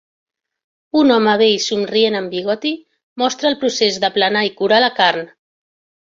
Un home vell somrient amb bigoti mostra el procés d'aplanar i curar la carn